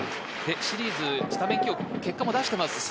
シリーズスタメン起用結果も出していますよね。